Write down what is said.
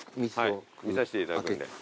見させていただくんで。